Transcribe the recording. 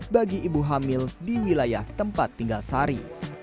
bagi ibu hamil di wilayah tempat tinggal sari